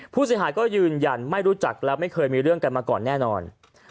ผู้เสียหายก็ยืนยันไม่รู้จักและไม่เคยมีเรื่องกันมาก่อนแน่นอน